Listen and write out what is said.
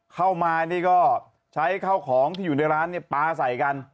เข้ามานี่ก็ใช้ข้าวของที่อยู่ในร้านปลาใส่กัน